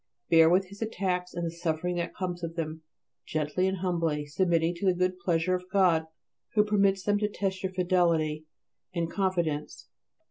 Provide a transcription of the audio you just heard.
Bear with his attacks and the suffering that comes of them gently and humbly, submitting to the good pleasure of God, who permits them to test your fidelity and confidence.